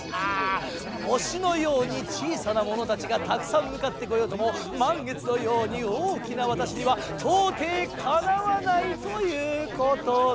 星のようにちいさなものたちがたくさんむかってこようともまんげつのようにおおきなわたしにはとうていかなわないということだ。